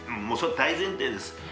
もうそれ大前提です。